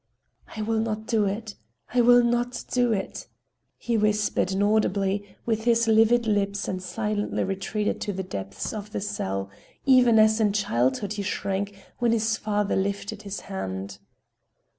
"I will not do it! I will not do it!" he whispered inaudibly with his livid lips and silently retreated to the depth of the cell, even as in childhood he shrank when his father lifted his hand.